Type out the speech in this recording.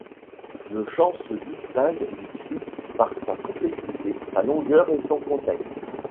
Le chant se distingue du cri par sa complexité, sa longueur et son contexte.